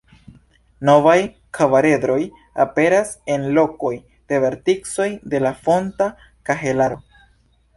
Novaj kvaredroj aperas en lokoj de verticoj de la fonta kahelaro.